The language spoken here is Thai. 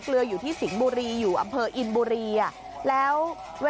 ขายมาตั้งสี่สิบกว่าปีแล้ว